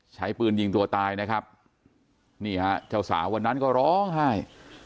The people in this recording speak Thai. ใช้ปืนยิงตัวตายนะครับนี่ฮะเจ้าสาววันนั้นก็ร้องไห้